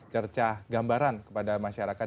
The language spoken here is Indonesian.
cercah gambaran kepada masyarakat